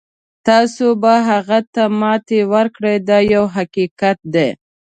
تاسو به هغه ته ماتې ورکړئ دا یو حقیقت دی.